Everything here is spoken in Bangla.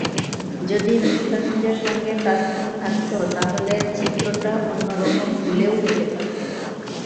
যদি মুস্তাফিজের সঙ্গে তাসকিন থাকত তাহলে চিত্রটা অন্য রকম হলেও হতে পারত।